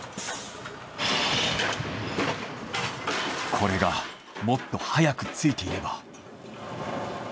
これがもっと早くついていれば。